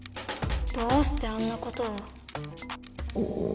どうしてあんなことを。